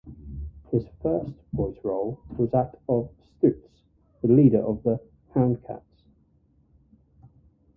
His first voice role was that of Stutz, the leader of "The Houndcats".